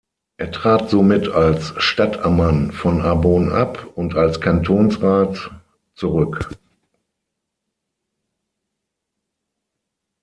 Er trat somit als Stadtammann von Arbon ab und als Kantonsrat zurück.